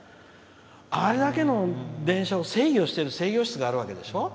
あれだけの電車を制御している制御室があるわけですよ。